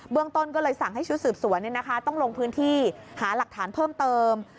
ต้นก็เลยสั่งให้ชุดสืบสวนต้องลงพื้นที่หาหลักฐานเพิ่มเติม